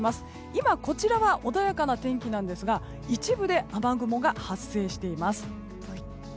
今、こちらは穏やかな天気ですが一部で雨雲が発生しています。